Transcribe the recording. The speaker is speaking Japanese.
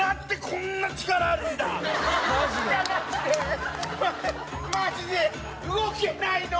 これマジで動けないの！